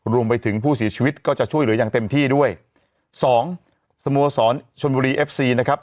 รวมไปถึงผู้เสียชีวิตก็จะช่วยเหลืออย่างเต็มที่ด้วยสองสโมสรชนบุรีเอฟซีนะครับ